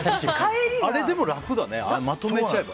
あれでも楽だね、まとめちゃえば。